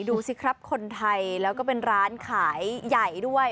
ดูสิครับคนไทยแล้วก็เป็นร้านขายใหญ่ด้วย